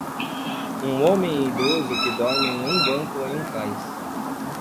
Um homem idoso que dorme em um banco em um cais.